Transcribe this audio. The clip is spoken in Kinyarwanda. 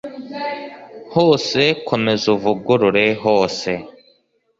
hose, komeza uvugurure hose (